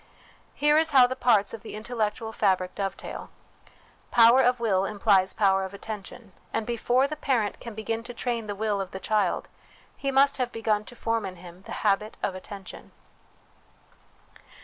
Here is how the parts of the intellectual fabric dovetail : power of will implies power of attention ; and before the parent can begin to train the will of the child, he must have begun to form intiim the habit of attention.